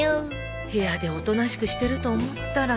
部屋でおとなしくしてると思ったら。